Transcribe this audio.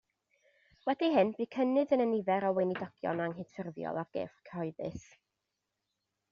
Wedi hyn bu cynnydd yn y nifer o weinidogion anghydffurfiol ar gyrff cyhoeddus.